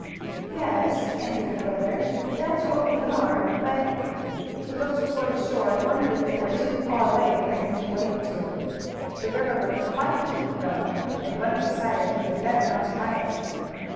"Yes," answered her brother, "that's what we are, but " He looked toward the shore and wondered if it were too far away for him to wade to it. The river looked quite deep, though, and Bunny decided he had better not try it.